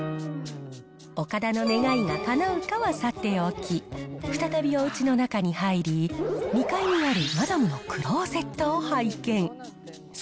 岡田の願いがかなうかはさておき、再びおうちの中に入り、２階にあるマダムのクローゼットを拝見。